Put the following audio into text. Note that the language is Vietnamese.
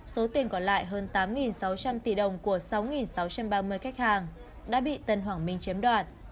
số tiền còn lại hơn tám sáu trăm linh tỷ đồng của sáu sáu trăm ba mươi khách hàng đã bị tân hoàng minh chiếm đoạt